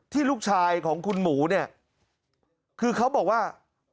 ลูกชายของคุณหมูเนี่ยคือเขาบอกว่า